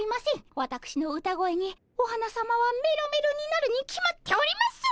わたくしの歌声にお花さまはメロメロになるに決まっております！